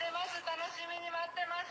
楽しみに待ってます。